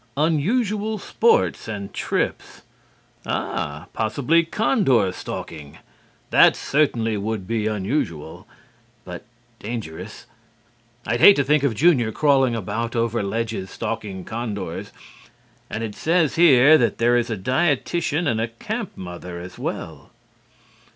Unusual sports and trips' Ah, possibly condor stalking! That certainly would be unusual. But dangerous! I'd hate to think of Junior crawling about over ledges, stalking condors. And it says here that there is a dietitian and a camp mother, as well."